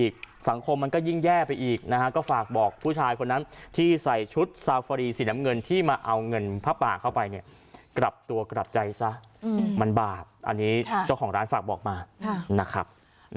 กลับใจซะอืมมันบาปอันนี้เจ้าของร้านฝากบอกมานะครับ